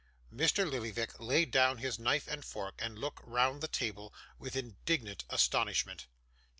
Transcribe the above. Mr. Lillyvick laid down his knife and fork, and looked round the table with indignant astonishment.